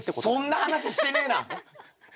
そんな話してねえな。